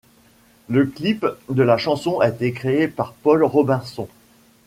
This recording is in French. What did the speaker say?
Le clip de la chanson a été créé par Paul Robertson.